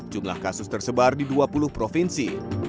jumlah kasus tersebar di dua puluh provinsi